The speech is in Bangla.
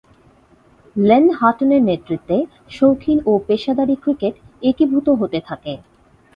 লেন হাটনের নেতৃত্বে শৌখিন ও পেশাদারী ক্রিকেট একীভূত হতে থাকে।